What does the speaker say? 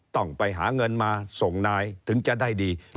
ต้องไปหาเงินมาส่งนายถึงจะได้ดี